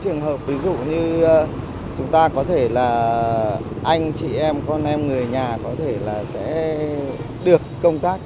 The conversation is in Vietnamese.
trường hợp ví dụ như chúng ta có thể là anh chị em con em người nhà có thể là sẽ được công tác